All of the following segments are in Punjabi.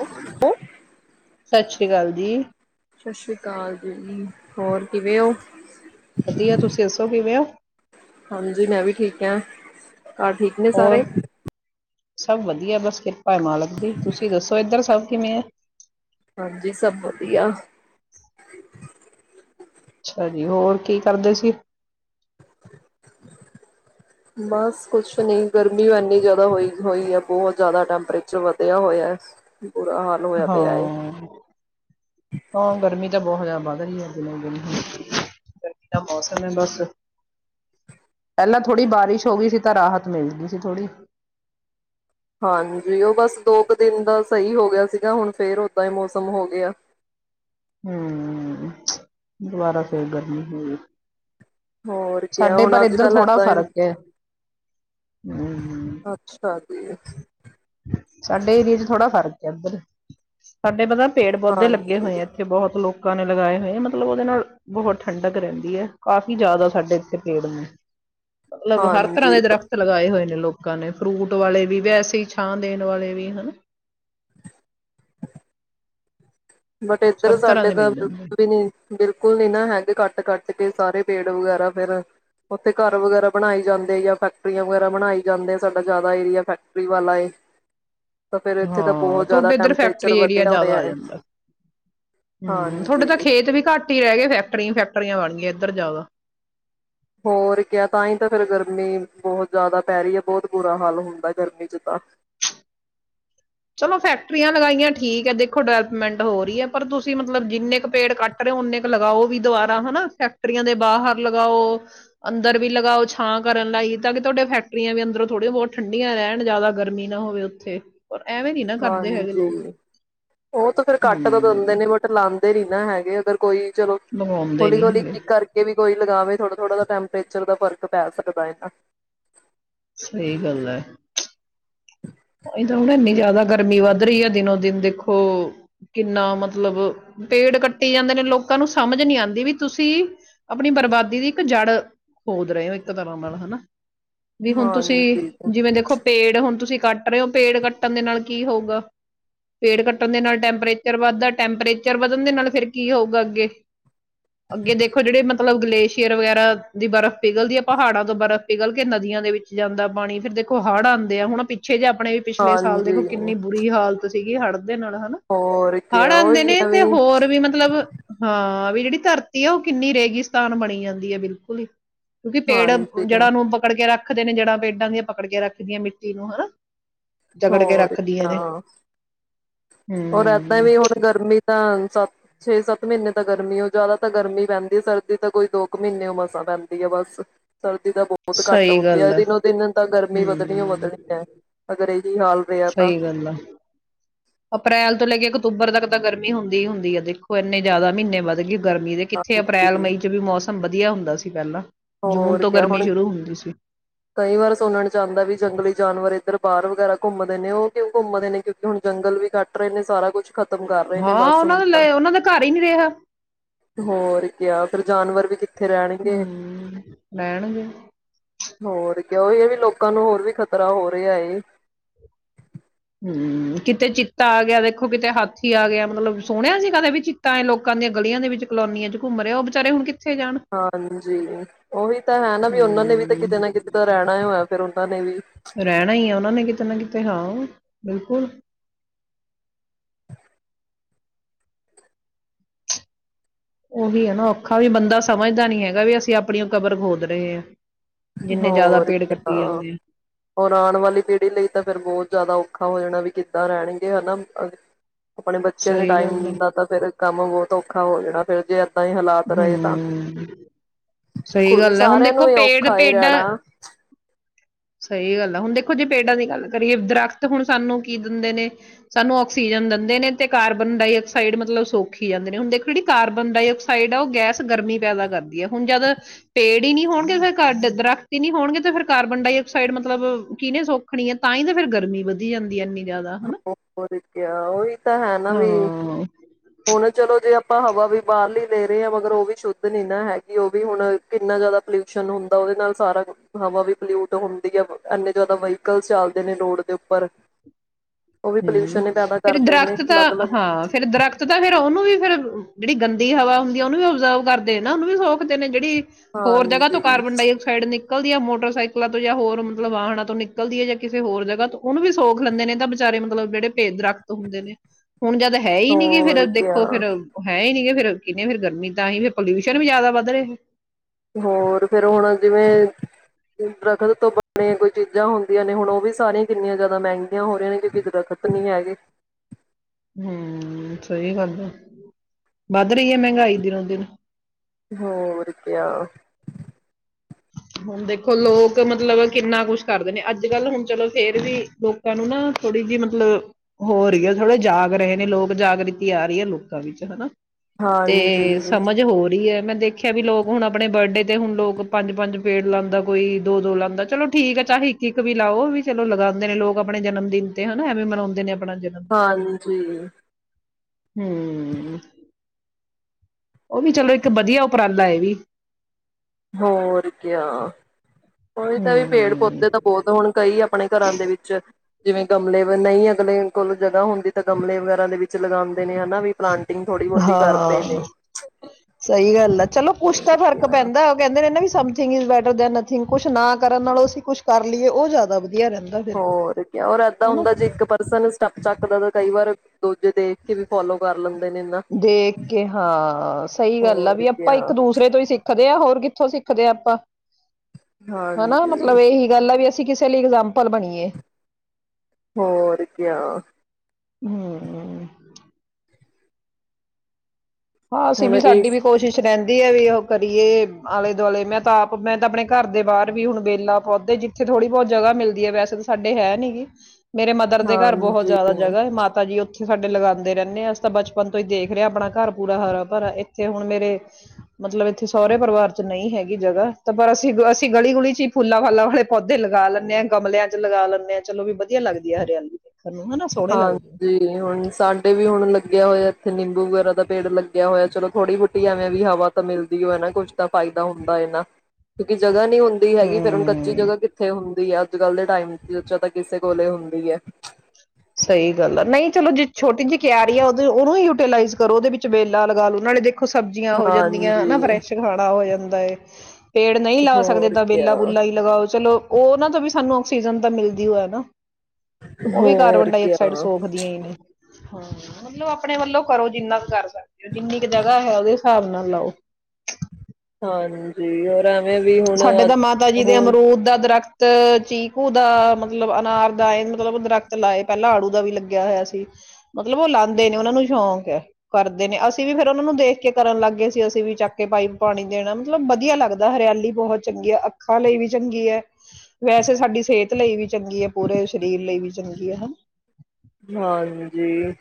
ਹੈ, ਸਤਿ ਸੱਚ ਸਤਿ ਸ਼੍ਰੀ ਅਕਾਲ ਜੀ। ਸ਼ਸਰੀ ਅਕਾਲ ਦੀਦੀ ਹੋਰ ਕਿਵੇਂ ਹੋ ਵਧੀਆ ਤੁਸੀਂ ਦੱਸੋ ਕਿਵੇਂ ਹੋ ਹਾਂਜੀ ਮੈਂ ਵੀ ਠੀਕ ਹਾਂ। ਘਰ ਠੀਕ ਨੇ ਸਾਰੇ। ਹੋਰ ਸਭ ਵਧੀਆ ਬਸ ਕਿਰਪਾ ਹੈ ਮਾਲਕ ਦੀ ਤੁਸੀਂ ਦੱਸੋ ਏਧਰ ਸਭ ਕਿਵੇਂ ਆ। ਹਾਂਜੀ, ਸਭ ਵਧੀਆ। ਅੱਛਾ ਜੀ, ਹੋਰ ਕੀ ਕਰਦੇ ਸੀ। ਬਸ ਕੁਛ ਨਹੀਂ ਗਰਮੀ ਓ ਇਨੀ ਜਿਆਦਾ ਹੋਈ ਹੋਈ ਹੈ ਬਹੁਤ ਜਿਆਦਾ ਟੈਂਪਰੇਚਰ ਵਧਿਆ ਹੋਇਆ ਹੈ। ਬੁਰਾ ਹਾਲ ਹੋਇਆ ਪਿਆ ਹਾਂ ਹਾਂ ਗਰਮੀ ਤਾਂ ਬਹੁਤ ਜਿਆਦਾ ਵੱਧ ਰਹੀ ਹੈ ਦਿਨੋ ਦਿਨ ਗਰਮੀ ਦਾ ਮੌਸਮ ਹੈ, ਬਸ ਪਹਿਲਾਂ ਥੋੜੀ ਬਾਰਿਸ਼ ਹੋ ਗਈ ਸੀ ਤਾਂ ਰਾਹਤ ਮਿਲ ਗਈ ਸੀ ਥੋੜ੍ਹੀ ਹਾਂਜੀ ਉਹ ਬਸ ਦੋ ਕੁ ਦਿਨ ਦਾ ਸਹੀ ਹੋ ਗਿਆ ਸੀ ਗਾ, ਹੁਣ ਫੇਰ ਓਦਾਂ ਹੀ ਮੌਸਮ ਹੋ ਗਿਆ। ਹੂੰ ਦੁਬਾਰਾ ਫੇਰ ਗਰਮੀ ਹੋ ਗਈ। ਹੋਰ ਕਿਆ ਸਾਡੇ ਹੁਣ ਪਰ ਅੱਜ ਇੱਧਰ ਕੱਲ ਥੋੜ੍ਹਾ ਏਦਾਂ ਹੀ ਫ਼ਰਕ ਹੈ। ਹੂੰ, ਅੱਛਾ, ਤੀਰਥ [inaudible] ਸਾਡੇ ਏਰੀਏ ਚ ਥੋੜ੍ਹਾ ਫ਼ਰਕ ਹੈ ਉੱਧਰ ਸਾਡੇ ਪਤਾ ਪੇੜ ਪੌਦੇ ਲੱਗੇ ਹਾਂਜੀ ਹੋਏ ਆ ਇੱਥੇ ਬਹੁਤ ਲੋਕ ਾਂ ਨੇ ਲਗਾਏ ਹੋਏ ਮਤਲਬ ਉਹਦੇ ਨਾਲ ਬਹੁਤ ਠੰਡਕ ਰਹਿੰਦੀ ਹੈ ਕਾਫ਼ੀ ਜ਼ਿਆਦਾ ਸਾਡੇ ਇੱਥੇ ਪੇੜ ਨੂੰ ਮਤਲਬ ਹਰ ਤਰ੍ਹਾਂ ਹਾਂਜੀ ਦੇ ਦਰਖਤ ਲਗਾਏ ਹੋਏ ਨੇ ਲੋਕਾਂ ਨੇ ਫਰੂਟ ਵਾਲੇ ਵੀ ਵੈਸੇ ਹੀ ਛਾਂ ਦੇਣ ਵਾਲੇ ਵੀ ਹਾ ਬਟ ਇੱਧਰ ਸਭ ਤਰ੍ਹਾਂ ਸਾਡੇ ਦੇ ਤਾਂ ਮਿਲ ਜਾਂਦੇ ਬਿਲਕੁਲ ਵੀ ਨੀ ਬਿਲਕੁਲ ਨੀ ਹੈਗੇ ਕੱਟ ਕੱਟ ਕੇ ਸਾਰੇ ਪੇਡ ਵਗੈਰਾ ਫਿਰ ਉੱਥੇ ਘਰ ਵਗੈਰਾ ਬਣਾਏ ਜਾਂਦੇ ਜਾਂ ਫੈਕਟਰੀਆਂ ਵਗੈਰਾ ਬਣਾਈ ਜਾਂਦੇ ਆ ਸਾਡਾ ਜ਼ਿਆਦਾ ਏਰੀਆ ਫੈਕਟਰੀ ਵਾਲਾ ਏ ਤਾਂ ਫੇਰ ਇੱਥੇ ਤਾਂ ਹਾਂ ਬਹੁਤ ਜ਼ਿਆਦਾ ਤੁਹਾਡੇ ਇਧਰ ਟੈਂਪਰੇਚਰ ਫੈਕਟਰੀ ਏਰੀਆ ਵਧਿਆ ਜਿਆਦਾ ਹੋਇਆ ਆ ਹੈ ਜਾਂਦਾ ਹਮ ਤੁਹਾਡੇ ਹਾਂਜੀ। ਤਾਂ ਖੇਤ ਵੀ ਘੱਟ ਕੀ ਰਹਿ ਗਏ ਫੈਕਟਰੀਆਂ ਫੈਕਟਰੀਆਂ ਬਣ ਗੀਆਂ ਇੱਧਰ ਜ਼ਿਆਦਾ ਹੋਰ ਕਿਹਾ ਤਾਹੀ ਤਾਂ ਫੇਰ ਗਰਮੀ ਬਹੁਤ ਜਿਹਦਾ ਪੈ ਰਹੀ ਹੈ ਬਹੁਤ ਬੁਰਾ ਹਾਲ ਹੁੰਦਾ ਗਰਮੀ ਚ ਤਾਂ ਚਲੋ ਫੈਕਟਰੀਆਂ ਲਗਾਈਆਂ ਠੀਕ ਹੈ ਦੇਖੋ ਡਿਵੈਲਪਮੈਂਟ ਹੋ ਰਹੀ ਹੈ ਪਰ ਤੁਸੀਂ ਮਤਲਬ ਜਿੰਨੇ ਕੁ ਪੇੜ ਕੱਟ ਰਹੇ ਹੋ ਓਨੇ ਕੁ ਲਗਾਓ ਵੀ ਦੁਬਾਰਾ ਹਨਾ ਫੈਕਟਰੀਆਂ ਦੇ ਬਾਹਰ ਲਗਾਓ ਅੰਦਰ ਵੀ ਲਗਾਓ ਛਾਂ ਕਰਨ ਲਈ ਤਾਂ ਕਿ ਤੁਹਾਡੇ ਫੈਕਟਰੀਆਂ ਵੀ ਅੰਦਰ ਥੋੜੀਆਂ ਬਹੁਤ ਠੰਡੀਆਂ ਰਹਿਣ ਜ਼ਿਆਦਾ ਗਰਮੀ ਨਾ ਹੋਵੇ ਉੱਥੇ ਪਰ ਐਵੇਂ ਨੀ ਨਾ ਕਰਦੇ ਹੈਗੇ ਹਾਂਜੀ ਲੋਕ ਉਹ ਤਾਂ ਫੇਰ ਘਟ ਲਗਾਂਦੇ ਹਮ ਨੇ ਬਟਨ ਲਾਦੇ [unintelligible] ਕੋਈ ਚਲੋ ਲਗਾਉਂਦੇ ਹੌਲੀ ਨੀ ਹੌਲੀ ਹੈਗੇ ਇਕ ਕਰਕੇ ਵੀ ਗੋਈ ਲਗਾਵੇ ਥੋੜ੍ਹਾ ਥੋੜ੍ਹਾ ਜ ਟੈਂਪਰੇਚਰ ਦਾ ਫਰਕ ਪੈ ਸਕਦਾ ਇਹਦਾ ਸਹੀ ਗੱਲ ਹੈ ਇਦ ਹੁਣ ਇੰਨੀ ਜ਼ਿਆਦਾ ਗਰਮੀ ਵੱਧ ਰਹੀ ਹੈ ਦਿਨੋ ਦਿਨ ਦੇਖੋ ਕਿੰਨਾ ਮਤਲਬ ਪੇੜ ਕੱਟੀ ਜਾਂਦੇ ਨੇ ਲੋਕਾਂ ਨੂੰ ਸਮਝ ਨੀ ਆਓਂਦੀ ਵੀ ਤੁਸੀਂ ਆਪਣੀ ਬਰਬਾਦੀ ਦੀ ਇੱਕ ਜੜ ਖੋਦ ਰਹੇ ਹੋ ਇੱਕ ਤਰ੍ਹਾਂ ਨਾਲ ਹਨਾ ਵੀ ਹੁਣ ਤੁਸੀਂ ਹਾਂਜੀ, ਜਿਵੇ ਦੇਖੋ ਪੇੜ ਹੁਣ ਤੁਸੀਂ ਅਰੇ ਪੇੜ ਕੱਟਣ ਦੇ ਨਾਲ ਕੀ ਹੋਊਗਾ ਪੇੜ ਕੱਟਣ ਦੇ ਨਾਲ ਟੈਂਪਰੇਚਰ ਵੱਧਦਾ ਟੈਂਪਰੇਚਰ ਵੱਧਣ ਦੇ ਨਾਲ ਫਿਰ ਕੀ ਹੋਊਗਾ ਅੱਗੇ ਅੱਗੇ ਦੇਖੋ ਜਿਹੜੇ ਮਤਲਬ ਗਲੇਸ਼ੀਅਰ ਵਗੈਰਾ ਦੀ ਬਰਫ਼ ਪਿਘਲਦੀ ਹੈ ਪਹਾੜਾਂ ਤੋਂ ਬਰਫ਼ ਪਿਘਲ ਕੇ ਨਦੀਆਂ ਦੇ ਵਿੱਚ ਜਾਂਦਾ ਪਾਣੀ ਫਿਰ ਦੇਖੋ ਹੜ੍ਹ ਆਉਂਦੇ ਹੁਣ ਪਿੱਛ [unintelligible] ਆਪਣੇ ਪਿਛਲੇ ਸਾਲ ਦੇਖੋ ਹਾਂਜੀ ਕਿੰਨੀ ਬੁਰੀ ਹਾਲਤ [unintelligible] ਦੇ ਨਾਲ ਹਨ ਹੋਰ ਹੜ੍ਹ ਕਿਆ ਆਉਂਦੇ ਉਹੀ ਨੇ ਆ ਵੀ ਤੇ ਹੋਰ ਵੀ ਮਤਲਬ ਹਾ ਵੀ ਜਿਹੜੀ ਧਰਤੀ ਆ ਉਹ ਕਿੰਨੀ ਰੇਗੀ ਸਥਾਨ ਬਣੀ ਜਾਂਦੀ ਹੈ ਬਿਲਕੁਲ ਹੀ ਕਿਉਂਕਿ ਹਾਂਜੀ ਪੇੜ ਜੜਾਂ ਨੂੰ ਪਕੜ ਕੇ ਰੱਖ ਰੱਖਦੇ ਨੇ ਜਿਹੜਾ ਭੇਡਾਂ ਨੇ ਪਕੜ ਕੇ ਰੱਖਦੀਆਂ ਮਿੱਟੀ ਨੂੰ ਹਨਾ ਜਗੜ ਕੇ ਹੋਰ ਰੱਖਦੀ ਹੈ ਕਿਆ ਨੇ ਹੋਰ ਏਥਿ ਹਮ ਵੀ ਹੁਣ ਗਰਮੀ ਤਾਂ ਸੱਤ ਛੇ ਸੱਤ ਮਹੀਨੇ ਤਾਂ ਗਰਮੀ ਹੋ ਜਿਆਦਾ ਤਾਂ ਗਰਮੀ ਪੈਂਦੀ ਸਰਦੀ ਤਾਂ ਕੋਈ ਦੋ ਕੁ ਮਹੀਨੇ ਹੋ ਮਸਾਂ ਪੈਂਦੀ ਹੈ ਬਸ ਸਰਦੀ ਤਾਂ ਬਹੁਤ ਘੱਟ ਸਹੀ ਹੁੰਦੀ ਗੱਲ ਹੈ ਆ ਦਿਨੋ ਦਿਨ ਤਾਂ ਗਰਮੀ ਵਧਦੀ ਹਮ ਵਧਦੀ ਹੈ ਅਗਰ ਇਹੀ ਕੀ ਹਾਲ ਰਿਹਾ ਤਾਂ ਸਹੀ ਗੱਲ ਆ ਅਪ੍ਰੈਲ ਤੋਂ ਲੈ ਕੇ ਅਕਤੂਬਰ ਤੱਕ ਤਾਂ ਗਰਮੀ ਹੁੰਦੀ ਹੁੰਦੀ ਹੈ ਦੇਖੋ ਇਨੇ ਜ਼ਿਆਦਾ ਮਹੀਨੇ ਵੱਧ ਗਏ ਗਰਮੀ ਦੇ ਕਿੱਥੇ ਅਪ੍ਰੈਲ ਹਾਂਜੀ ਮਈ ਚ ਵੀ ਮੌਸਮ ਵੱਧ ਵਧੀਆ ਹੁੰਦਾ ਸੀ ਪਹਿਲਾ ਹੋਰ ਕਿਆ ਹੁਣ, ਕਈ ਵਾਰ ਸੁਣਨ ਚ ਆਂਦਾ ਵੀ ਜੰਗਲ ਵਿਚ ਜਾਨਵਰ ਇੱਧਰ ਬਾਹਰ ਵਗੈਰਾ ਘੁੰਮਦੇ ਨੇ ਉਹ ਕਿਉਂ ਘੁੰਮਦੇ ਨਹੀ ਕਿਉਂਕਿ ਹੁਣ ਜੰਗਲ ਵੀ ਕੱਟ ਰਹੇ ਨੇ ਸਾਰਾ ਕੁੱਛ ਖਤਮ ਕਰ ਰਹੇ ਨੇ ਹਾਂ ਬਸ ਉਹਨਾਂ ਹੁਣ ਦਾ ਤਾਂ ਲੈ ਉਹਨਾਂ ਦਾ ਘਰ ਹੀ ਨੀ ਰਿਹਾ ਹੋਰ ਕਿਆ। ਜਾਨਵਰ ਵੀ ਇਥੇ ਰਹਿਣਗੇ ਲੈਣਗੇ ਕਿ ਉਹੀ ਹੈ ਵੀ ਲੋਕਾਂ ਨੂੰ ਹੋਰ ਵੀ ਖ਼ਤਰਾ ਹੋ ਰਿਹਾ ਏ। ਹੂੰ ਕਿਤੇ ਚਿੱਤਾ ਆ ਗਿਆ ਦੇਖੋ ਕਿਤੇ ਹਾਥੀ ਆ ਗਿਆ ਮਤਲਬ ਸੁਣਿਆ ਸੀ ਕਦੇ ਵੀ ਚਿੱਤਾ ਏ ਲੋਕਾਂ ਦੀਆਂ ਗਲੀਆਂ ਦੇ ਵਿੱਚ ਕਲੋਨੀਆਂ ਚ ਘੁੰਮ ਰਿਹਾ ਉਹ ਵਿਚਾਰੇ ਹੁਣ ਕਿਥੇ ਹਾਂਜੀ, ਉਹ ਵੀ ਤਾਂ ਹੈ ਨਾ ਵੀ ਉਹਨਾਂ ਨੇ ਵੀ ਤਾਂ ਹਮ ਕਿਤੇ ਨਾ ਕਿਤੇ ਤਾਂ ਰਹਿਣਾ। ਆ ਫਿਰ ਉਹਨਾਂ ਨੇ ਵੀ ਰਹਿਣਾ ਹੀ ਆ ਉਹਨਾਂ ਨੇ ਕਿਤੇ ਨਾ ਕਿਤੇ ਹਾਂ ਬਿਲਕੁਲ ਉਹੀ ਹੈ ਨਾ ਔਖਾ ਵੀ ਬੰਦਾ ਸਮਝਦਾ ਨੀ ਹੈਗਾ ਵੀ ਅਸੀਂ ਆਪਣੀ ਕਬਰ ਖੋਦ ਰਹੇ ਹਾ। ਹੋਰ ਕਿਆ। ਆ ਹੁਣ ਆਣ ਵਾਲੀ ਪੀੜ੍ਹੀ ਲਈ ਤਾਂ ਫੇਰ ਬਹੁਤ ਜ਼ਿਆਦਾ ਔਖਾ ਹੋ ਜਾਣਾ ਵੀ ਕਿੱਦਾਂ ਰਹਿਣਗੇ ਹਨਾ। ਆਪਣੇ ਬੱਚਿਆਂ ਨੇ ਸਹੀ ਗੱਲ ਹੈ ਟਾਈਮ ਦਾ ਤਾਂ ਫੇਰ ਕੰਮ ਬਹੁਤ ਔਖਾ ਹੋ ਜਾਣਾ ਫੇਰ ਜੇ ਹੀ ਹਾਲਾਤ ਰਹੇ ਤਾਂ ਹੂੰ ਸਹੀ ਗੱਲ ਹੈ ਹੁਣ ਸਾਰਿਆਂ ਦੇਖੋ ਨੂੰ ਹੀ ਪੇੜ ਔਖਾ ਪੇਡਾਂ ਰਹਿਣਾ ਸਹੀ ਗੱਲ ਆ ਹੁਣ ਦੇਖੋ ਜੇ ਪੇਡਾਂ ਦੀ ਗੱਲ ਕਰੀਏ ਦਰਖਤ ਹੁਣ ਸਾਨੂੰ ਕੀ ਦਿੰਦੇ ਨੇ ਸਾਨੂੰ ਆਕਸੀਜਨ ਦਿੰਦੇ ਨੇ ਤੇ ਕਾਰਬਨ ਡਾਇਆਕਸਾਈਡ ਮਤਲਬ ਸੌਖੀ ਜਾਂਦੇ ਨੇ ਹੁਣ ਦੇਖੋ ਜਿਹੜੀ ਕਾਰਬਨ ਡਾਇਆਕਸਾਈਡ ਸਾਈਡ ਉਹ ਗੈਸ ਗਰਮੀ ਪੈਦਾ ਕਰਦੀ ਹੈ ਹੁਣ ਜਦ ਪੇੜ ਹੀ ਨਹੀਂ ਹੋਣਗੇ ਫਿਰ ਘੱਟ ਦਰਖਤ ਹੀ ਨਹੀਂ ਹੋਣਗੇ ਤੇ ਫਿਰ ਕਾਰਬਨ ਡਾਇਆਕਸਾਈਡ ਮਤਲਬ ਕਿਹਨੇ ਸੌਖਣੀ ਹੈ ਤਾਂ ਹੀ ਤਾਂ ਫ਼ਿਰ ਗਰਮੀ ਵਧੀ ਜਾਂਦੀ ਹੈ ਇੰਨੀ। ਜ਼ਿਆਦਾ ਹਨਾ ਹੋਰ ਕਿਆ ਉਹੀ ਤਾਂ ਹੈ ਨਾ ਵੀ ਹਾਂ ਹੁਣ ਚਲੋ ਜੇ ਆਪਾਂ ਹਵਾ ਵੀ ਬਾਹਰਲੀ ਲੈ ਰਹੇ ਹਾਂ ਮਗਰ ਉਹ ਵੀ ਸ਼ੁੱਧ ਨਹੀਂ ਨਾ ਹੈਗੀ ਉਹ ਵੀ ਹੁਣ ਕਿੰਨਾ ਜ਼ਿਆਦਾ ਪੋਲਿਊਸ਼ਨ ਹੁੰਦਾ ਉਹਦੇ ਨਾਲ ਸਾਰਾ ਹਵਾ ਵੀ ਪੋਲਿਊਟ ਹੁੰਦੀ ਹੈ ਇੰਨੇ ਜ਼ਿਆਦਾ ਵਹੀਕਲਸ ਚੱਲਦੇ ਨੇ ਰੋਡ ਦੇ ਉੱਪਰ ਉਹ ਵੀ ਹੂੰ ਪੋਲਿਊਸ਼ਨ ਪੈਦਾ ਫਿਰ ਕਰਦੇ ਨੇ ਦਰਖਤ ਅਲੱਗ ਤਾਂ ਅਲੱਗ ਹਾਂ ਫੇਰ ਦਰਖਤ ਤਾਂ ਫੇਰ ਉਹਨੂੰ ਵੀ ਫਿਰ ਜਿਹੜੀ ਗੰਦੀ ਹਵਾ ਹੁੰਦੀ ਉਹਨੂੰ ਵੀ ਓਬਜਰਵ ਕਰਦੇ ਨੇ ਨਾ ਉਹਨੂੰ ਵੀ ਸੋਖਦੇ ਨੇ ਜਿਹੜੀ ਹੋਰ ਜਗ੍ਹਾ ਤੋਂ ਹਾਂਜੀ ਕਾਰਬਨ ਡਾਇਆਕਸਾਈਡ ਨਿਕਲ ਦੀ ਹੈ ਮੋਟਰਸਾਈਕਲਾਂ ਤੋਂ ਜਾਂ ਹੋਰ ਮਤਲਬ ਵਾਹਨਾਂ ਤੋਂ ਨਿਕਲਦੀ ਹੈ ਜਾਂ ਕਿਸੇ ਹੋਰ ਜਗ੍ਹਾ ਤੋਂ ਉਹਨੂੰ ਵੀ ਸੋਖ ਲੈਂਦੇ ਨੇ ਤਾਂ ਵਿਚਾਰੇ ਮਤਲਬ ਜਿਹੜੇ ਪੇਡ ਦਰਖ਼ਤ ਹੁੰਦੇ ਨੇ। ਹੁਣ ਜਦ ਹੈ ਹੀ ਨੀ ਗ ਫੇਰ ਹੋਰ ਕਿਆ ਦੇਖੋ ਫੇਰ ਹੈ ਹੀ ਨੀ ਗਏ। ਫੇਰ ਕੀ ਨੇ ਫਿਰ ਗਰਮੀ ਤਾਂ ਹੀ ਫਿਰ ਪੋਲਿਊਸ਼ਨ ਵੀ ਜ਼ਿਆਦਾ ਵੱਧ ਰਹੇ ਹੈ। ਹੋਰ ਫੇਰ ਹੁਣ ਜਿਵੇਂ ਦਰੱਖ਼ਤ ਤੋਂ ਬਣੇ ਕੋਈ ਚੀਜ਼ਾਂ ਹੁੰਦੀਆਂ ਨੇ ਹੁਣ ਉਹ ਵੀ ਸਾਰੀਆਂ ਕਿੰਨੀਆਂ ਜ਼ਿਆਦਾ ਮਹਿੰਗੀਆਂ ਹੋ ਰਹੀਆਂ ਨੇ ਕਿਉਂਕਿ ਦਰੱਖਤ ਨਹੀਂ ਹੈਗੇ। ਹੂੰ ਸਹੀ ਗੱਲ ਆ ਵੱਧ ਰਹੀ ਹੈ ਮਹਿੰਗਾਈ ਦਿਨੋ ਦਿਨ ਹੋਰ ਕਿਆ। ਹੁਣ ਦੇਖੋ ਲੋਕ ਮਤਲਬ ਕਿੰਨਾ ਕੁਛ ਕਰਦੇ ਨੇ ਅੱਜ ਕੱਲ ਹੁਣ ਚਲੋ ਫੇਰ ਵੀ ਲੋਕਾਂ ਨੂੰ ਨਾ ਥੋੜ੍ਹੀ ਜਿਹੀ ਮਤਲਬ ਹੋ ਰਹੀ ਹੈ ਥੋੜੇ ਜਾਗ ਰਹੇ ਨੇ ਲੋਕ ਜਾਗ੍ਰਿਤੀ ਆ ਰਹੀ ਹੈ ਲੋਕਾਂ ਵਿੱਚ ਹਨਾ। ਤੇ ਹਾਂਜੀ ਸਮਝ ਹੋ ਰਹੀ ਹੈ। ਮੈਂ ਦੇਖਿਆ ਵੀ ਲੋਕ ਹੁਣ ਆਪਣੇ ਬਰਡੇ ਤੇ ਹੁਣ ਲੋਕ ਪੰਜ ਪੰਜ ਪੇੜ ਲਾਦਾ ਕੋਈ ਦੋ-ਦੋ ਲਾਦਾ ਚਲੋ ਠੀਕ ਹੈ ਚਾਹੇ ਇੱਕ ਇੱਕ ਵੀ ਲਾਓ ਵੀ ਚਲੋ ਲਗਾਦੇ ਨੇ ਲੋਕ ਆਪਣੇ ਜਨਮ ਦਿਨ ਤੇ ਹਨਾ ਐਵੇਂ ਮਨਾਉਂਦੇ ਨੇ ਆਪ। ਹਾਂਜੀ ਜੀ [inaudible] ਉਹ ਵੀ ਚਲੋ ਇੱਕ ਵਧੀਆ ਉਪਰਾਲਾ ਹੈ ਵੀ ਉ ਤਾਂ ਵੀ ਪੇੜ ਹਮ ਪੌਦੇ ਤਾਂ ਬਹੁਤ ਹੁਣ ਕਈ ਆਪਣੇ ਘਰਾਂ ਦੇ ਵਿੱਚ ਜਿਵੇਂ ਗਮਲੇ ਨਹੀਂ ਅਗਲੇ ਕੋਲ ਜਗ੍ਹਾ ਹੁੰਦੀ ਤਾਂ ਗਮਲੇ ਵਗੈਰਾ ਦੇ ਵਿੱਚ ਲਗਾਉਂਦੇ ਨੇ ਹਨਾ ਵੀ ਪਲਾਂਟਿੰਗ ਥੋੜ੍ਹੀ ਬਹੁਤੀ ਕਰਦੇ ਨੇ ਹਾਂ ਸਹੀ ਗੱਲ ਆ ਚਲੋ ਕੁੱਛ ਹੋਰ ਤਾਂ ਫ਼ਰਕ ਕਿਆ ਪੈਂਦਾ ਕ ਕਹਿੰਦੇ ਨੇ ਨਾ ਵੀ something is better than nothing ਕੁਛ ਨਾ ਕਰਨ ਨਾਲੋਂ ਅਸੀਂ ਕੁਛ ਕਰ ਲਈਏ ਉਹ ਜ਼ਿਆਦਾ ਵਧੀਆ ਰਹਿੰਦਾ ਫਿਰ ਹੋਰ ਕ ਰ ਇਏਦਾਂ ਹਨਾ ਹੁੰਦਾ ਜੇ ਇੱਕ ਪਰਸਨ ਸਟਪ ਚੱਕ ਪਦਾ ਕਈ ਵਾਰ ਦੂਜੇ ਦੇਖ ਕੇ ਵੀ ਫੋਲੋ ਕਰ ਲੈਂਦੇ ਨੇ ਨਾ ਦੇਖ ਕੇ ਹਾਂ ਸਹੀ ਗੱਲ ਆ ਹੋਰ ਵੀ ਆਪਾਂ ਇੱਕ ਕਿਆ ਦੂਸਰੇ ਤੋਂ ਹੀ ਸਿੱਖਦੇ ਹਾਂ ਹੋਰ ਕਿੱਥੋਂ ਸਿੱਖਦੇ ਹਾਂ ਆਪਾਂ ਹਨਾ ਹਾਂਜੀ ਮਤਲਬ ਇਹੀ ਗੱਲ ਆ ਵੀ ਅਸੀਂ ਕਿਸੇ ਲਈ ਇਗਜਾਮਪਲ ਬਣੀਏ ਹੋਰ ਕ ਹਮਮ ਹਾਂ ਅਸੀਂ ਵੀ ਹੁਣ ਸਾਡੀ ਇਸ ਵੀ ਕੋਸ਼ਿਸ਼ ਰਹਿੰਦੀ ਵੀ ਉਹ ਕਰੀਏ ਆਲੇ ਦੁਆਲੇ ਮੈਂ ਤਾਂ ਆਪ ਮੈਂ ਤਾਂ ਆਪਣੇ ਘਰ ਦੇ ਬਾਹਰ ਵੀ ਹੁਣ ਵੇਲਾ ਪੌਦੇ ਜਿੱਥੇ ਥੋੜੀ ਬਹੁਤ ਜਗ੍ਹਾ ਮਿਲਦੀ ਹੈ ਵੈਸੇ ਤਾਂ ਸਾਡੇ ਹੈ ਨੀ ਗ ਮੇਰੇ ਮਦਰ ਦੇ ਘਰ ਬਹੁਤ ਜਿਆਦਾ ਹਾਂਜੀ ਜਗ੍ਹਾ ਹੈ ਮਾਤਾ ਜੀ ਉੱਥੇ ਸਾਡੇ ਲਗਾਉਂਦੇ ਰਹਿੰਦੇ ਆ ਅਂ ਬਪਨ ਤੋਂ ਹੀ ਦੇਖ ਰਹੇਾਂ ਆਪਣਾ ਘਰ ਪੂਰਾ ਹਰਾ ਪਰ ਇੱਥੇ ਹੁਣ ਮੇਰੇ ਮਤਲਬ ਇੱਥੇ ਸਹੁਰੇ ਪਰਿਵਾਰ ਚ ਨਹੀਂ ਹੈਗੀ ਜਗ੍ਹਾ ਤੇ ਪਰ ਅਸੀਂ ਅਸੀਂ ਗਲੀ ਗੁਲੀ ਚ ਹੀ ਫੁਲਾਂ ਫਾਲਾਂ ਵਾਲੇ ਪੌਦੇ ਲਗਾ ਲੈਂਦੇ ਹਾਂ ਗਮਲਿਆਂ ਚ ਲਗਾ ਲੈਂਦੇ ਹਾਂ ਚਲੋ ਵੀ ਵਧੀਆ ਲੱਗਦੀ ਹੈ ਹਰਿਆਲੀ ਤੇ ਹਾਂਜੀ ਹੁਣ ਸਾਡੇ ਵੀ ਹੁਣ ਲੱਗਿਆ ਹੋਇਆ ਇੱਥੇ ਨਿੰਬੂ ਵਗੈਰਾ ਦਾ ਪੇੜ ਲੱਗਿਆ ਹੋਇਆ ਚਲੋ ਥੋੜ੍ਹੀ ਫਹੁਟੀ ਐਵੇਂ ਵੀ ਹਵਾ ਤਾਂ ਮਿਲਦੀ ਹੋ ਹੈ ਨਾ ਕੁਛ ਤਾਂ ਫਾਇਦਾ ਹੁੰਦਾ ਇਹਨਾ ਕਿਉਂਕਿ ਜਗ੍ਹਾ ਹੁੰਦੀ ਹੈਗੀ ਫ਼ਿਰ ਹੁਣ ਕੱਚੀ ਹਮ ਜਗ੍ਹਾ ਕਿੱਥੇ ਹੁੰਦੀ ਆ ਅੱਜ ਕੱਲ ਦੇ ਟਾਈਮ ਦੀਾ ਤਾਂ ਕਿਸੇ ਕੋਲੇ ਹੁੰਦੀ ਹੈ ਸਹੀ ਗੱਲ ਆ ਨਹੀਂ ਚਲੋ ਜੇ ਛੋਟੀ ਜਿਹੀ ਕਿਆਰੀ ਆ ਉਹ ਉਹਨੂੰ ਯੂਟੀਲਾਈਜ਼ ਕਰੋ ਉਹਦੇ ਵਿੱਚ ਵੇਲਾ ਲਗਾ ਲਓ ਉਹਨਾਂ ਨੇ ਦੇ ਖੋ ਸਬਜ਼ੀਆਂ ਹੋ ਜਾਂਦੀਆਂ ਨਾ ਹਾਂਜੀ ਫਰੈਸ਼ ਖਾਣਾ ਹੋ ਜਾਂਦਾ ਦਾ ਹੈ ਪੇੜ ਨਹੀਂ ਲਾ ਸਕਦੇ ਹੋਰ ਤਾਂਾਂ ਵੇਲਾ ਕਿਆ ਬੁੱਲਾ ਹੀ ਲਗਾਓ ਚਲੋ ਉਹਨਾਂ ਤੋਂ ਵੀ ਸਾਨੂੰ ਆਕਸੀਜਨ ਤਾਂ ਮਿਲਦੀ ਹੋ ਹੈ ਨਾ ਉਹ ਵੀ ਹਾਂ ਕਾਰਬਨ ਡਾਇਆਕਸਾਈਡ ਸੋਖਦੀਆਂ ਹੀ ਨੇ ਹਾਂ ਮਤਲਬ ਆਪਣੇ ਵੱਲੋਂ ਕਰੋ ਜਿੰਨਾ ਕੁ ਕਰ ਸਕਦੇ ਹੋ ਜਿੰਨੀ ਕੁ ਜਗ੍ਹਾ ਹੈ ਉਹਦੇ ਹਿਸਾਬ ਨਾਲ ਲਓ ਹਰ ਸਾਡੇ ਤਾਂ ਮਾਤਾ ਜੀ ਦੇ ਹੁਣ ਅਮਰੂਦ ਦਾ ਦਰਖਤ ਤੇ ਚੀਕੂ ਦਾ ਮਤਲਬ ਅਨਾਰ ਦਾਏ ਮਤਲਬ ਦਰਖਤ ਲਾਏ ਪਹਿਲਾਂ ਆੜੂ ਦਾ ਵੀ ਲੱਗਿਆ ਹੋਇਆ ਸੀ। ਮਤਲਬ ਉਹ ਲਾਂਦੇ ਨੇ ਉਹਨਾ ਨੂੰ ਸ਼ੌਕ ਏ। ਕਰਦੇ ਨੇ ਅਸੀਂ ਵੀ ਫੇਰ ਉਹਨਾ ਨੂੰ ਦੇਖ ਕੇ ਕਰਨ ਲੱਗ ਗਏ ਸੀ ਅਸੀਂ ਵੀ ਚੱਕ ਕੇ ਪਾਈਪ ਪਾਣੀ ਦੇਣਾ ਮਤਲਬ ਵਧੀਆ ਲੱਗਦਾ ਦਾ ਹਰਿਆਲੀ ਬੋਹਤ ਚੰਗੀ ਏ ਅੱਖਾਂ ਲਈ ਵੀ ਚੰਗੀ ਏ। ਵੈਸੇ ਸਾਡੀ ਸੇਤ ਲਈ ਵੀ ਚੰਗੀ ਏ ਪੂਰੇ ਸਰੀਰ ਲਈ ਵੀ ਚੰਗੀ ਏ ਹੇਨਾ। ਹਨ। ਜੀ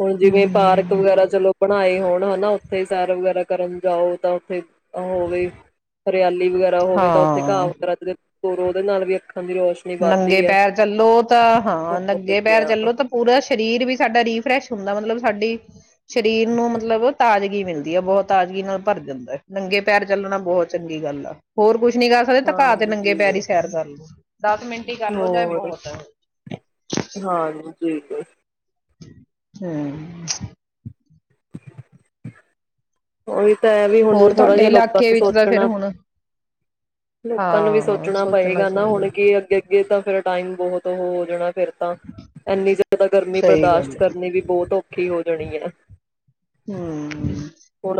ਹੁਨ ਜਿਵੇਂ ਪਾਰਕ ਹਮ ਵਗੈਰਾ ਚਲੋ ਬਣਾਏ ਹੋਣ। ਹੇਨਾ ਉੱਥੇ ਸੈਰ ਵਗੈਰਾ ਕਰਨ ਜਾਓ ਤਾਂ ਉੱਥੇ ਹੋਵੇ ਹਰਿਆਲੀ ਵਗੈਰਾ ਹੋਵੇ ਤਾਂ ਉੱਥੇ ਘਾਹ ਹਾਂ ਵਗਰਾ [unintelligible] ਹੋਰ ਉਹਦੇ ਨਾਲ ਵੀ ਦੀ ਰੋਸ਼ਨੀ ਨੰਗੇ ਵੱਧਦੀ ਹੈ। ਪੈਰ ਚੱਲੋ ਤਾਂ ਹਾਂ ਨੰ ਹੋਰ ਗੇ ਪੈਰ ਕਿਆ ਚੱਲੋ ਤਾਂ ਪੂਰਾ ਸਰੀਰ ਵੀ ਸਾਡਾ ਰੀਫਰੈਸ਼ ਹੁੰਦਾ ਮਤਲਬ ਸਾਡੀ ਸਰੀਰ ਨੂੰ ਮਤਲਬ ਤਾਜ਼ਗੀ ਮਿਲਦੀ ਆ ਬੋਤ ਤਾਜ਼ਗੀ ਨਾਲ ਭਰ ਜਾਂਦਾ ਨੰਗੇ ਪੈਰ ਚੱਲਣਾ ਬੋਤ ਚੰਗੀ ਗੱਲ ਆ ਹੋਰ ਕੁਝ ਕੁਛ ਨੀ ਕਰ ਸਕਦੇ ਤਾ ਘਾ ਤੇ ਨੰਗੇ ਪੈਰ ਈ ਹਾਂਜੀ ਸੈਰ ਕਰ ਲੋ। ਦਸ ਮਿੰਟ ਈ ਕਰਲੋ ਚਾਏ ਹੋਰ ਬੋਤ ਏ। ਹਾਂਜੀ ਹੁੰ [unintelligible] ਓਹੀ ਤੇ ਵੀ ਹੁਨ ਹੋਰ ਥੋੜਾ ਤੁਹਾਡੇ ਜਿਹਾ ਲੋਕਾਂ ਇਲਾਕੇ ਨੂੰ ਵਿੱਚ ਤਾਂ ਫਿਰ ਸੋਚਣਾ ਹੁਣ ਲੋਕਾਂ ਨੂੰ ਵੀ ਹਾਂ ਸੋਚਣਾ ਪਏਗਾ ਨਾ ਹੁਣ ਚਾਹੀਦਾ ਕੀ ਅੱਗੇ, ਅੱਗੇ ਤਾਂ ਫਿਰ ਟਾਈਮ ਬੋਹਤ ਹੋ ਜਾਣਾ ਫੇਰ ਤਾਂ ਇੰਨੀ ਜ਼ਿਆਦਾ ਗਰਮੀ ਸਹੀ ਬਰਦਾਸ਼ਤ ਗੱਲ ਹੈ ਕਰਨੀ ਵੀ ਬੋਤ ਔਖੀ ਖੀ ਹੋ ਜਾਣੀ ਐ। ਹੁੰ।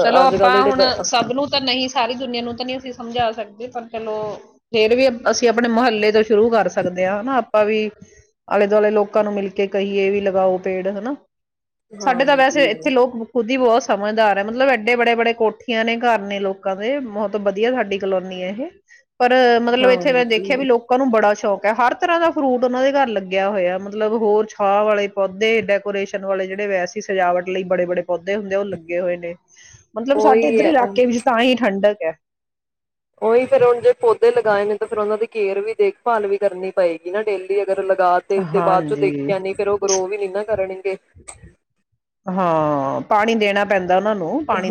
ਚਲੋ ਆਪਾਂ ਕੱਲ੍ਹ ਦੇ ਹੁਣ ਜਿਹੜੇ ਸਭ ਨੂੰ ਤਾਂ ਨਹੀਂ ਸਾਰੀ ਦੁਨੀਆਂ ਨੂੰ ਤਾਂ ਨਹੀਂ ਅਸੀਂ ਸਮਝਾ ਸਕਦੇ। ਪਰ ਚਲੋ ਫੇਰ ਵੀ ਅਸੀਂ ਆਪਨੇ ਮੁਹੱਲੇ ਤੋਂ ਸ਼ੁਰੂ ਕਰ ਸਕਦੇ ਆਂ। ਹਨਾ ਆਪਾਂ ਵੀ ਆਲੇ ਦੁਆਲੇ ਲੋਕਾਂ ਨੂੰ ਮਿਲ ਕੇ ਕਹੀਏ ਵੀ ਲਗਾਓ ਪੇੜ ਹਨਾ। ਸਾਡੇ ਤਾਂ ਵੈਸੇ ਹਾਂਜੀ, ਇੱਥੇ ਲੋਕ ਬੋ ਉਹਦੀ ਬਹੁਤ ਸਮਝਦਾਰ ਏ ਮਤਲਬ ਐਡੇ ਬੜੇ, ਬੜੇ ਕੋਠੀਆਂ ਨੇ ਘਰ ਨੇ ਲੋਕਾਂ ਦੇ ਬਹੁਤ ਵਧੀਆ ਸਾਡੀ ਕਲੋਨੀ ਏ ਇਹ। ਪਰ ਮਤਲਬ ਇੱਥੇ ਮੈਂ ਦੇਖਿਆ ਵੀ ਹਾਂਜੀ ਲੋਕਾਂ ਨੂੰ ਬੜਾ ਸ਼ੋਂ ਸ਼ੌਂਕ ਏ। ਹਰ ਤਰ੍ਹਾਂ ਦਾ ਫਰੂਟ ਉਹਨਾਂ ਦੇ ਘਰ ਲੱਗਿਆ ਹੋਇਆ ਮਤਲਬ ਹੋਰ ਛਾਹ ਵਾਲੇ ਪੌਦੇ ਡੈਕੋਰੇਸ਼ਨ ਵਾਲੇ ਜਿਹੜੇ ਵੈਸੀੇ ਸਜਾਵਟ ਲਈ ਬੜੇ, ਬੜੇ। ਪੌਦੇ ਹੁੰਦੇ ਆ ਉਹ ਲੱਗੇ ਹੋਏ ਨੇ। ਮਤਲਬ ਸਾਡੇ ਉਹੀ ਇੱਧਰ ਹੈ। ਇਲਾਕੇ ਵਿੱਚ ਤਾਂ ਹੀ ਠੰਡਕ [inaudible] ਉਹੀ ਫੇਰ ਹੁਣ ਜੇ ਪੌਦੇ ਲਗਾਏ ਨੇ ਤੇ ਫੇਰ ਉਹਨਾਂ ਦੀ ਕੇਅਰ ਵੀ ਦੇਖਭਾਲ ਵੀ ਕਰਨੀ ਪਏਗੀ ਨਾ ਡੇਲੀ। ਅਗਰ ਲਗਾ ਤੇ ਦੇ ਬਾਅਦ ਚ ਹਾਂਜੀ ਦੇਖਿਆ ਨੀ ਫੇਰ ਉਹ ਗਰੋ ਵੀ ਨੀ ਨਾ ਕਰਨਗੇ। ਹਾਂ ਪਾਣੀ ਦੇਣਾ ਪੈਂਦਾ।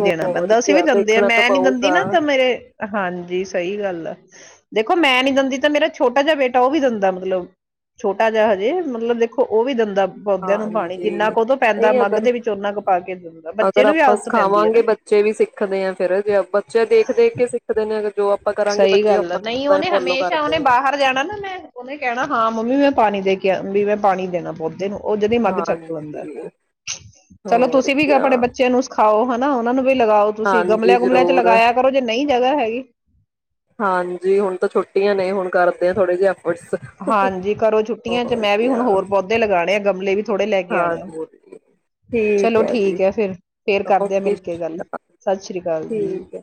ਹੋਰ ਕਿਆ ਦੇਖਣਾ ਤਾਂ ਪਊਗਾ ਦੇਖੋ ਮੈਂ ਨੀ ਦਿੰਦੀ ਤਾਂ ਮੇਰਾ ਛੋਟਾ ਜਿਹਾ ਬੇਟਾ ਉਹ ਵੀ ਦਿੰਦਾ ਮਤਲਬ ਛੋਟਾ ਜਿਹਾ ਹਜੇ ਮਤਲਬ ਦੇਖੋ ਉਹ ਵੀ ਦੰਦਾ ਹਾਂਜੀ ਨਹੀਂ ਅਗਰ ਦੇ ਵਿੱਚ ਓਨਾ ਕੁ ਪਾ ਕੇ ਦਿੰਦਾ ਅਗਰ ਬੱਚੇ ਨੂੰ ਵੀ ਆਪਾਂ ਆਦਤ ਪੈਂਦੀ ਹੈ ਸਿਖਾਵਾਂਗੇ ਨਾ ਬੱਚੇ ਵੀ ਸਿੱਖਦੇ ਆਾਂ ਫਿਰ ਜੇ ਬੱਚੇ ਦੇਖ ਦੇਖ ਕੇ ਸਿੱਖਦੇ ਨੇ ਅਰ ਜੋਾਂ ਸਹੀ ਗੱਲ ਆ ਨਹੀਂ ਉਹਨੇ ਹਮੇਸ਼ਾ ਉਹਹਨੇ ਕਰਦੇ ਆ ਬਾਹਰ ਜਾਣਾ ਨਾ ਮੈਂ ਉਹਹਨੇ ਕਹਿਣਾ ਹਾਂ ਮੰਮੀ ਮੈਂ ਪਾਣੀ ਦੇ ਕੇ ਵੀ ਮੈਂ ਪਾਣੀ ਦੇਣਾ ਪੌਦੇ ਨੂੰ ਉਹ ਜਹਦੀ ਮੱਗ ਚੱਕ ਦੈਂਦਾ ਹਾਂਜੀ ਚਲੋ ਹੋਰ ਤੁਸੀਂ ਵੀ ਕਿਆ ਆਪਣੇ ਬੱਚੇ ਨੂੰ ਸਿਖਾਓ ਹਨ ਨਾ ਉਹਨਾਂ ਨੂੰ ਵੀ ਲਗਾਓ ਤੁਸੀਂ ਹਾਂਜੀ ਗਮਲਿਆਂ ਗੁਮਲਿਆਂ ਚ ਜ਼ਰੂਰ ਲਗਾਇਆ ਕਰੋ ਜੇ ਨਹੀਂ ਜਗ੍ਹਾ ਹੈਗੀ ਹਾਂਜੀ ਹੁਣ ਤਾਂ ਛੋੱਟੀਆਂ ਨੇ ਹੁਣ ਕਰਦੇ ਆ ਥੋੜੇ ਜਿਹੇ ਐਫਰਟਸ ਹਾਂਜੀ ਘਰੋਂ ਛੁੱਟੀਆਂ ਚ ਹੋਰ ਮੈਂ ਵੀ ਹੁਣ ਕਿਆ ਹੋਰ ਪੌਦੇ ਲਗਾਣੇ ਆ ਗਮਲੇ ਵੀ ਥੋੜੇ ਲੈ ਕੇ ਆਣੇ ਆ ਹੋਰ ਹਾਂਜੀ ਠੀਕ ਚਲੋ ਜੀ ਠੀਕ ਹੈ ਫੇਿਰ ਫੇਰ ਕਰਦੇ ਆ ਓਕੇ ਮਿਲਕੇ ਗੱਲ ਸਤਿ ਸ੍ਰੀ ਅਕਾਲ ਜੀ ਠੀਕ ਹੈ